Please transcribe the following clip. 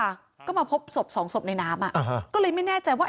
ค่ะก็มาพบสมสมสมในน้ำอ่ะก็เลยไม่แน่ใจว่า